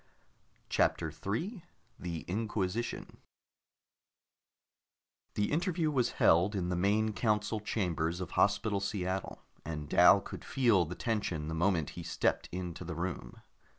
CHAPTER 3 THE INQUISITION The interview was held in the main council chambers of Hospital Seattle, and Dal could feel the tension the moment he stepped into the room.